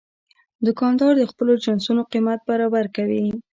دوکاندار د خپلو جنسونو قیمت برابر کوي.